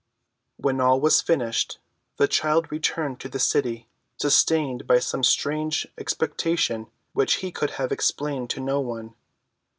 ] When all was finished the child returned to the city, sustained by some strange expectation which he could have explained to no one.